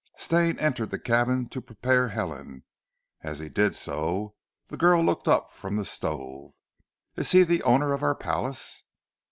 Stane entered the cabin to prepare Helen. As he did so the girl looked up from the stove. "Is he the owner of our palace?"